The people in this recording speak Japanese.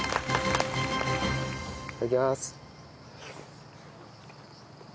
いただきます。